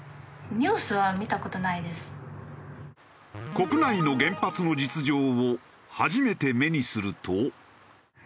国内の原発の実情を初めて目にすると。